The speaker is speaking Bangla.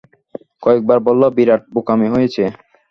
কয়েক বার বলল, বিরাট বোকামি হয়েছে।